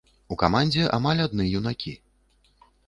У камандзе амаль адны юнакі.